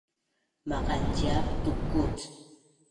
maqanciap tukuc